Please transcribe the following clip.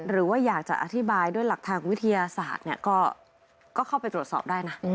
หรือว่าอยากจะอธิบายด้วยหลักทางวิทยาศาสตร์ก็เข้าไปตรวจสอบได้นะ